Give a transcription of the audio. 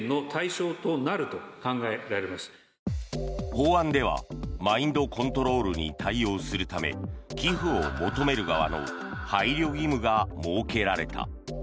法案ではマインドコントロールに対応するため寄付を求める側の配慮義務が設けられた。